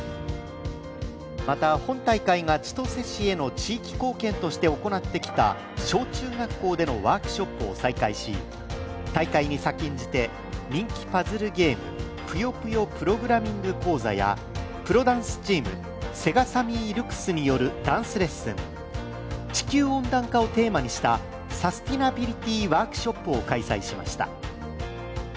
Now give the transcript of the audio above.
また、本大会が千歳市への地域貢献として行ってきた小中学校でのワークショップを再開し、大会に先んじて、人気パズルゲームぷよぷよプログラミング講座やプロダンスチームＳＥＧＡＳＡＭＭＹＬＵＸによる地球温暖化をテーマにしたサスティナビリティ講座を開催しました。